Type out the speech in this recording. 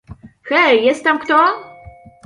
Hej, jest tam kto?